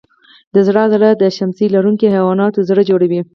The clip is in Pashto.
د زړه عضله د شمزۍ لرونکو حیواناتو زړه جوړوي.